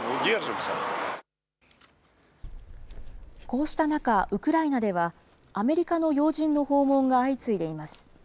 こうした中、ウクライナでは、アメリカの要人の訪問が相次いでいます。